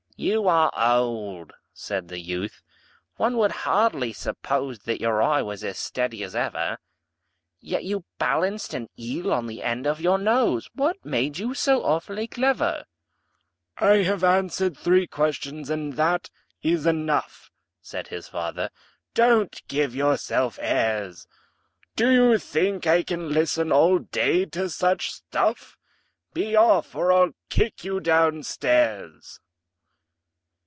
"You are old," said the youth, "one would hardly suppose That your eye was as steady as ever; Yet you balanced an eel on the end of your nose What made you so awfully clever?" "I have answered three questions, and that is enough," Said his father. "Don't give yourself airs! Do you think I can listen all day to such stuff? Be off, or I'll kick you down stairs.